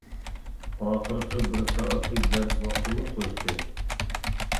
ئاخىرقى بىر سائەتلىك دەرس ۋاقتىمۇ توشتى.